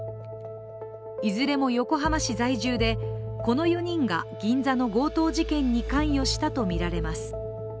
いずれも横浜市在住でこの４人が銀座の強盗事件に関与したとみられます。